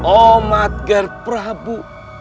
omat ger prabu